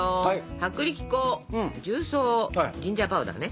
薄力粉重曹ジンジャーパウダーね。